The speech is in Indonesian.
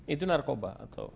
itu narkoba atau